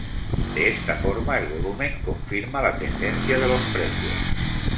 De esta forma, el volumen confirma la tendencia de los precios.